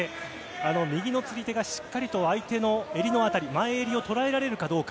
あの右の釣り手が、しっかりと相手の襟の辺り、前襟を捉えられるかどうか。